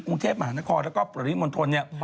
กรุงเทพมหานครแล้วก็ปริมณฑลเนี่ย